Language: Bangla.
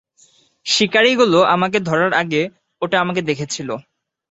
শিকারীগুলো আমাকে ধরার আগে, ওটা আমাকে দেখেছিল।